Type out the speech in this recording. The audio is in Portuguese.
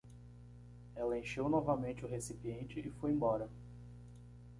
Ela encheu novamente o recipiente e foi embora.